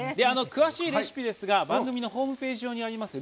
詳しいレシピですが番組のホームページ上にあります